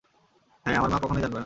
হ্যাঁ, আমার মা কখনোই জানবে না।